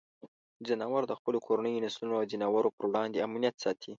ځناور د خپلو کورنیو نسلونو او ځناورو پر وړاندې امنیت ساتي.